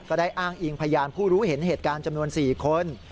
อ้างอิงพยานผู้รู้เห็นเหตุการณ์จำนวน๔คน